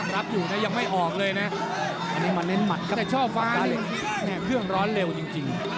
รับอยู่นะยังไม่ออกเลยนะอันนี้มาเน้นหมัดครับแต่ชอบฟังการเหล็กเครื่องร้อนเร็วจริง